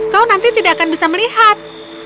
kau nanti tidak akan bisa melihat